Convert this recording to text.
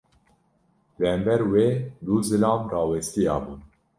Li hember wê du zilam rawestiyabûn.